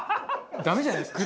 ダメじゃないですか。